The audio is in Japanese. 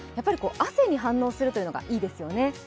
汗に反応するというのがいいですよね。